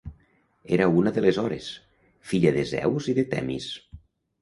Era una de les Hores, filla de Zeus i de Temis.